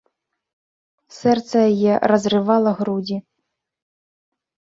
Сэрца яе разрывала грудзі.